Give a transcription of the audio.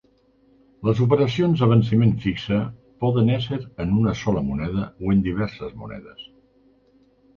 Les operacions a venciment fixe poden ésser en una sola moneda o en diverses monedes.